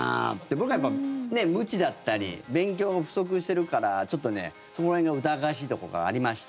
僕、やっぱね無知だったり勉強も不足してるからそこら辺が疑わしいところがありました。